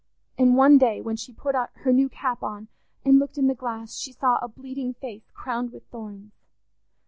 And one day when she put her new cap on and looked in the glass, she saw a bleeding Face crowned with thorns.